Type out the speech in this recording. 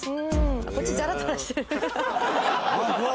こっちザラザラしてる。